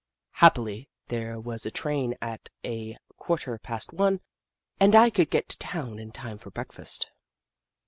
Happily, there was a train at a quarter past one, and I could get to town in time for breakfast.